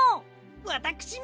わたくしも！